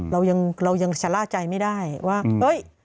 เรายังเรายังชะล่าใจไม่ได้ว่าเฮ้ย